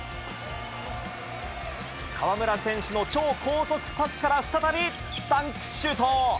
河村選手の超高速パスから、再びダンクシュート。